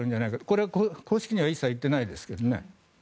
これは公式には一切言っていないですけどね。